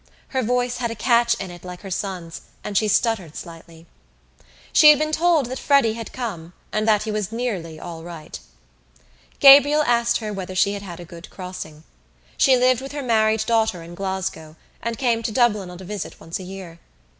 Her voice had a catch in it like her son's and she stuttered slightly. She had been told that Freddy had come and that he was nearly all right. Gabriel asked her whether she had had a good crossing. She lived with her married daughter in Glasgow and came to Dublin on a visit once a year.